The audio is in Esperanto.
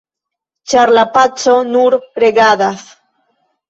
ĉar la paco nur regadas